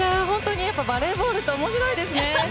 バレーボールって面白いですね。